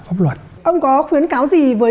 pháp luật ông có khuyến cáo gì với